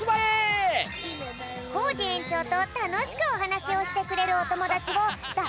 コージえんちょうとたのしくおはなしをしてくれるおともだちをだ